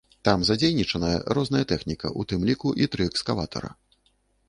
Там задзейнічаная розная тэхніка, у тым ліку і тры экскаватара.